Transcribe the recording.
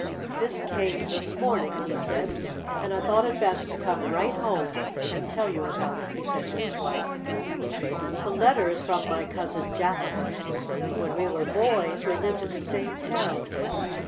"This came this morning," he said, "and I thought it best to come right home and tell you about it," he said to his wife. "The letter is from my Cousin Jasper. When we were boys we lived in the same town.